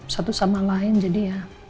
satu sama lain jadi ya